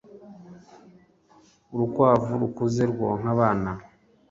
urukwavu rukuze rwonka abana